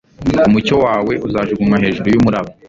umucyo wawe uzajugunywa hejuru yumuraba